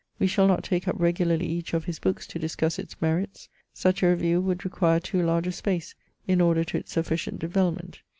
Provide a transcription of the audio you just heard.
We shall not take up regularly each of his books to discuss its merits. Such a review would require too large a space, in order to its sufficient derelopment.